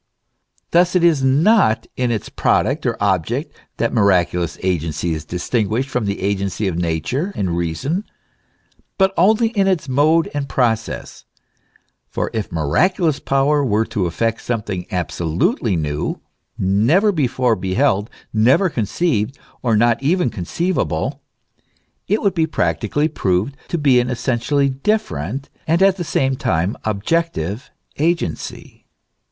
Thus it is not in its product or object that miraculous agency is distinguished from the agency of nature and reason, but only in its mode and process ; for if miraculous power were to effect something absolutely new, never before beheld, never conceived, or not even conceivable, it would be practically proved to be an essen tially different, and at the same time objective agency.